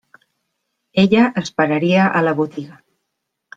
Ella esperaria a la «botiga».